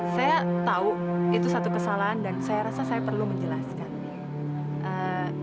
saya tahu itu satu kesalahan dan saya rasa saya perlu menjelaskan